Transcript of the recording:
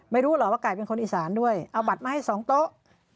ไม่รู้เหรอว่าไก่เป็นคนอีสานด้วยเอาบัตรมาให้๒โต๊ะ